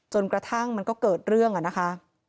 จนกระทั่งมันก็เกิดเรื่องอะนะคะ